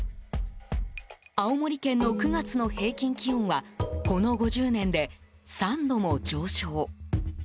青森県の９月の平均気温はこの５０年で３度も上昇。